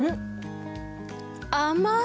甘い！